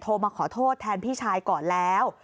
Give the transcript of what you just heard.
มาขอโทษแทนพี่ชายก่อนแล้ว